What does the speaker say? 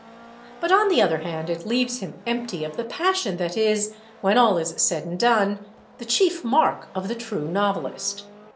But on the other hand it leaves him empty of the passion that is, when all is said and done, the chief mark of the true novelist.